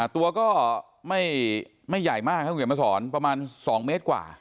ตัวก็ไม่ใหญ่มากครับคุณเขียนมาสอนประมาณ๒เมตรกว่า